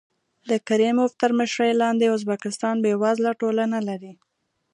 د کریموف تر مشرۍ لاندې ازبکستان بېوزله ټولنه لري.